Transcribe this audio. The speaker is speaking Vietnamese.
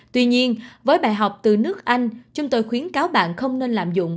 tuy nhiên với bài học từ nước anh chúng tôi khuyến cáo bạn không nên lạm dụng